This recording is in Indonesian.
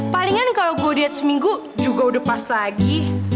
palingan kalau gue diet seminggu juga udah pas lagi